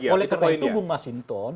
oleh karena itu bung mas hinton